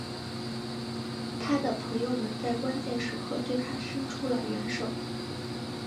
他的朋友们在关键时刻对他生出了援手。